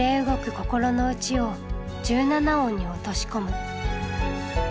心の内を１７音に落とし込む。